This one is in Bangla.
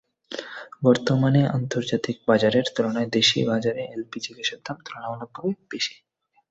বর্তমানে আন্তর্জাতিক বাজারের তুলনায় দেশীয় বাজারে এলপিজি গ্যাসের দাম তুলনামূলকভাবে বেশি।